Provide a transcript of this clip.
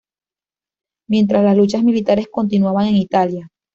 Mientras, las luchas militares continuaban en Italia.